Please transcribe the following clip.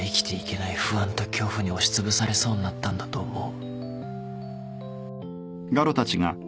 不安と恐怖に押しつぶされそうになったんだと思う。